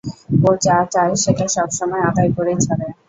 ও যা চায় সেটা সবসময় আদায় করেই ছাড়ে।